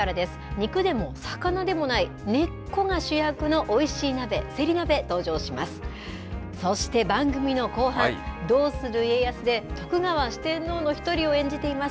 肉でも魚でもない、根っこが主役のおいしい鍋、せり鍋、登場します。